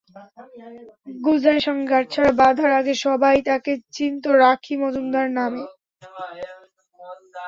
গুলজারের সঙ্গে গাঁটছড়া বাঁধার আগে সবাই তাঁকে চিনত রাখী মজুমদার নামে।